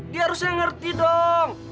dia harusnya ngerti dong